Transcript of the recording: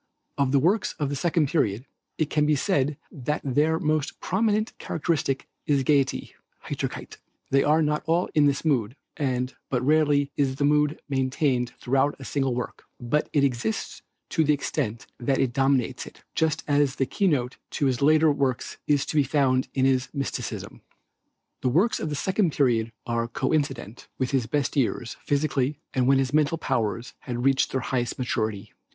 Of the works of the second period, it can be said that their most prominent characteristic is gayety (Heiterkeit). They are not all in this mood, and but rarely is the mood maintained throughout a single work, but it exists to the extent that it dominates it, just as the key note to his later works is to be found in his mysticism. The works of the second period are coincident with his best years physically and when his mental powers had reached their highest maturity.